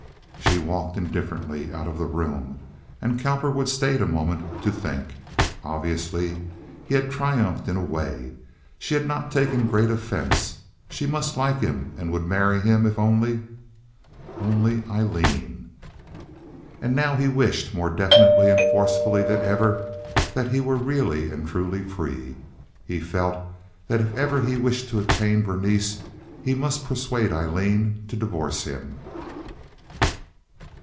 She walked indifferently out of the room, and Cowperwood stayed a moment to think. Obviously he had triumphed in a way. She had not taken great offense. She must like him and would marry him if only... Only Aileen. And now he wished more definitely and forcefully than ever that he were really and truly free. He felt that if ever he wished to attain Berenice he must persuade Aileen to divorce him.